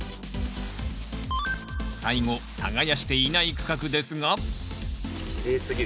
最後耕していない区画ですがきれいすぎる。